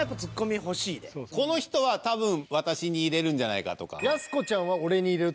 この人は多分私に入れるんじゃないかとか。